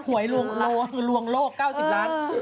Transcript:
หวยลวงโลก๙๐ล้าน